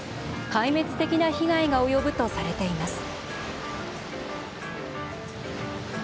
壊滅的な被害が及ぶとされています。